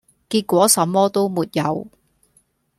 結果什麼都沒有